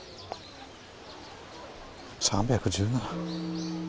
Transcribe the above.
３１７。